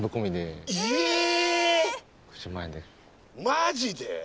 マジで？